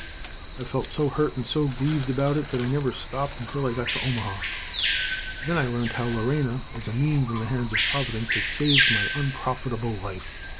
I felt so hurt and so grieved about it that I never stopped till I got to Omaha. Then I heard how Lorena, as a means in the hands of Providence, had saved my unprofitable life.